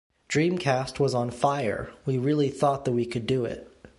Dreamcast was on fire - we really thought that we could do it.